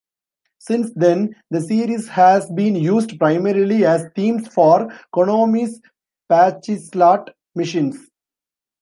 Since then, the series has been used primarily as themes for Konami's pachislot machines.